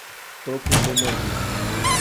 Tocos do Moji